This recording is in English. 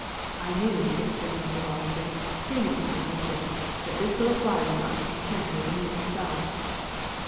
"I knew," exclaimed Mr. Rawlinson, feigning indignation, "that this little fly would not be content with the news itself."